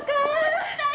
来たよ！